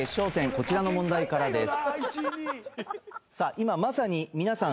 こちらの問題からです